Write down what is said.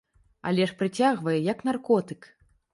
Але ж прыцягвае, як наркотык.